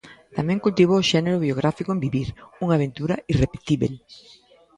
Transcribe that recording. Tamén cultivou o xénero biográfico en Vivir, unha aventura irrepetíbel.